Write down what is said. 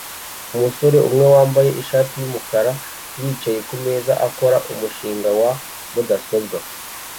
Umusore umwe wambaye ishati yumukara yicaye kumeza akora umushinga wa mudasobwa